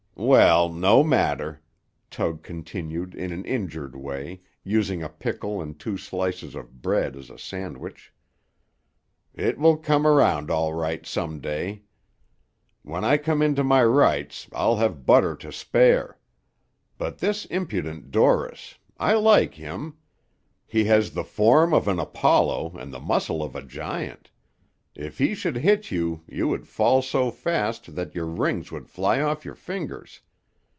"Well, no matter," Tug continued in an injured way, using a pickle and two slices of bread as a sandwich. "It will come around all right some day. When I come into my rights, I'll have butter to spare. But this impudent Dorris; I like him. He has the form of an Apollo and the muscle of a giant. If he should hit you, you would fall so fast that your rings would fly off your fingers.